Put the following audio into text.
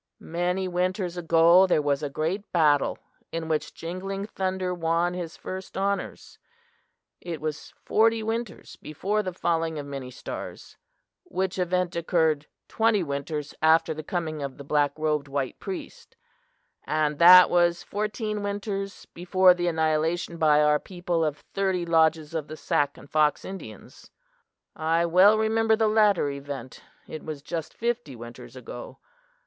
"Many winters ago there was a great battle, in which Jingling Thunder won his first honors. It was forty winters before the falling of many stars, which event occurred twenty winters after the coming of the black robed white priest; and that was fourteen winters before the annihilation by our people of thirty lodges of the Sac and Fox Indians. I well remember the latter event it was just fifty winters ago.